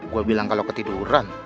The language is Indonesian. gue bilang kalo ketiduran